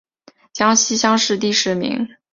江西乡试第十名。